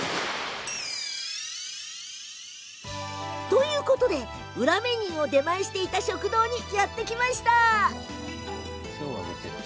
ということで裏メニューを出前していた出前をした食堂にやってまいりました。